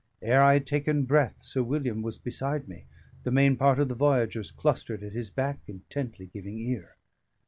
Ere I had taken breath, Sir William was beside me, the main part of the voyagers clustered at his back, intently giving ear.